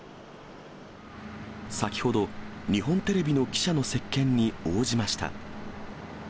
先ほど、日本テレビの記者の接見に応じました。